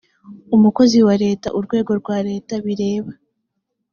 umukozi wa leta urwego rwa leta bireba